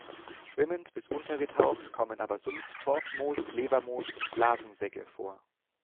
Schwimmend bis untergetaucht kommen aber Sumpf-Torfmoos, Lebermoos und Blasen-Segge vor.